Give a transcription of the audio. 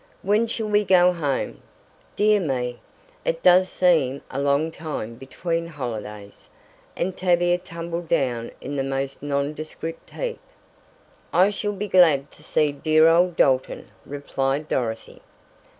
"When shall we go home? Dear me! It does seem a long time between holidays," and Tavia tumbled down in the most nondescript heap. "I shall be glad to see dear old Dalton," replied Dorothy.